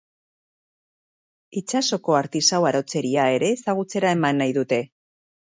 Itsasoko artisau arotzeria ere ezagutzera eman nahi dute.